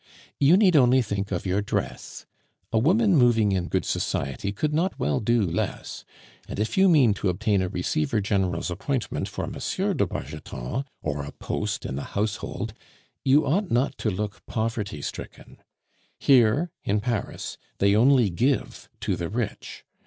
You need only think of your dress. A woman moving in good society could not well do less; and if you mean to obtain a Receiver General's appointment for M. de Bargeton, or a post in the Household, you ought not to look poverty stricken. Here, in Paris, they only give to the rich.